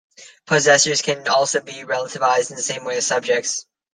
Possessors can also be relativised in the same way as subjects.